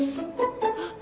あっ！